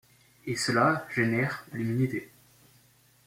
Et cela génère l’humilité.